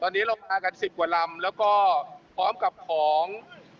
ตอนนี้เรามากับสิบหนังแล้วก็พร้อมกับของ